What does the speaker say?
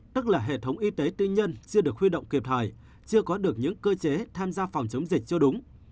tức là hệ thống y tế tư nhân chưa được khuy động kịp thời chưa có được những cơ chế tham gia phòng chống dịch chưa đúng